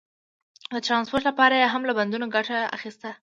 د ټرانسپورټ لپاره یې هم له بندرونو ګټه اخیسته.